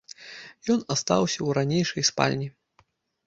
Ён астаўся ў ранейшай спальні.